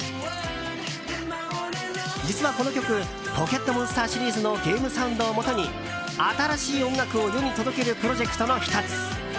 実は、この曲「ポケットモンスター」シリーズのゲームサウンドをもとに新しい音楽を世に届けるプロジェクトの１つ。